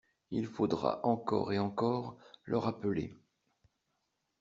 Il faudra, encore et encore, le rappeler.